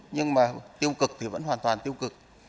nhưng mà tiêu cực thì vẫn hoàn toàn tiêu cực